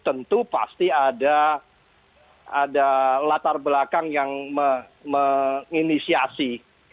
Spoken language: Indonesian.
tentu pasti ada latar belakang yang menginisiasi